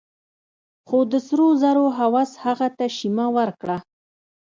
خو د سرو زرو هوس هغه ته شيمه ورکړه.